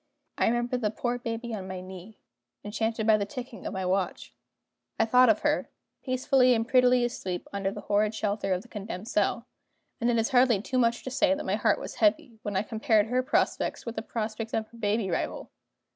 I remembered the poor baby on my knee, enchanted by the ticking of my watch I thought of her, peacefully and prettily asleep under the horrid shelter of the condemned cell and it is hardly too much to say that my heart was heavy, when I compared her prospects with the prospects of her baby rival.